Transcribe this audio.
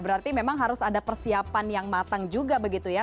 berarti memang harus ada persiapan yang matang juga begitu ya